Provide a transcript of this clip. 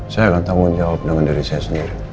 saya akan tanggung jawab dengan diri saya sendiri